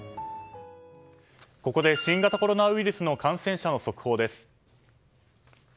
ここで新型コロナウイルスの感染者の速報です。